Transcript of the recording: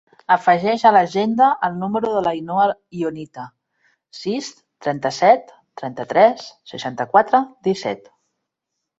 Afegeix a l'agenda el número de l'Ainhoa Ionita: sis, trenta-set, trenta-tres, seixanta-quatre, disset.